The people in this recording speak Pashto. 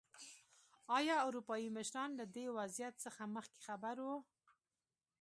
ایا اروپايي مشران له دې وضعیت څخه مخکې خبر وو.